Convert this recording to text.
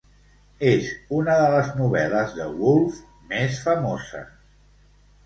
És una de les novel·les de Woolf més famoses.